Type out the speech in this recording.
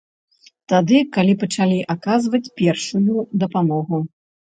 Тады, калі пачалі аказваць першую дапамогу.